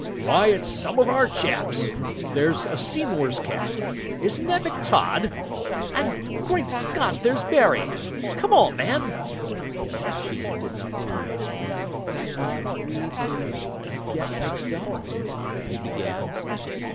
"Why, it's some of our chaps! There's a Seymour's cap. Isn't that McTodd? And, great Scott! there's Barry. Come on, man!" Sheen did not move. "Ought we...to get...mixed up...?" he began.